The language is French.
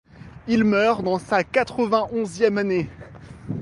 Il meurt dans sa quatre-vingt-onzième année.